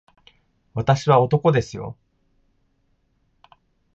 私は男ですよ